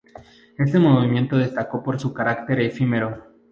Este movimiento destacó por su carácter efímero.